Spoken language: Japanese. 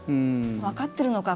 わかってるのか？